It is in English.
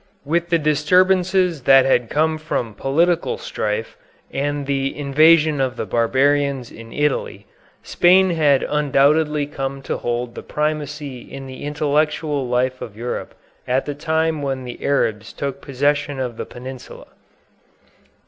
With the disturbances that had come from political strife and the invasion of the barbarians in Italy, Spain had undoubtedly come to hold the primacy in the intellectual life of Europe at the time when the Arabs took possession of the peninsula.